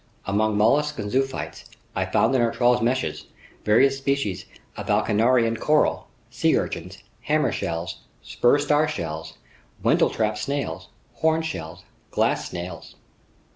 Among mollusks and zoophytes, I found in our trawl's meshes various species of alcyonarian coral, sea urchins, hammer shells, spurred star shells, wentletrap snails, horn shells, glass snails.